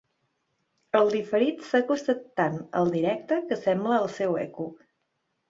El diferit s'ha acostat tant al directe que sembla el seu eco.